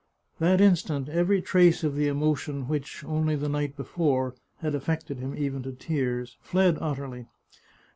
*' That instant every trace of the emotion which, only the night before, had affected him even to tears, fled utterly.